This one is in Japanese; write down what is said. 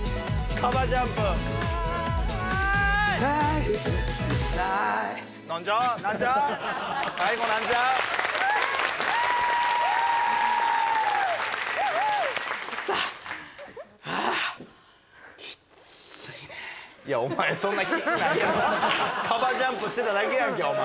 カバジャンプしてただけやんけお前。